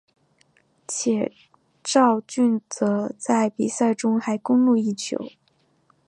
且肇俊哲在比赛中还攻入一球。